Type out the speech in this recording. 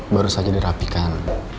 baru saja dirapikan